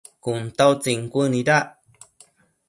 Cun ta utsin cuënuidac